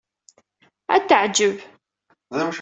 Ad t-teɛjeb.